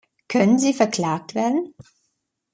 Können sie verklagt werden?